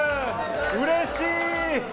うれしい。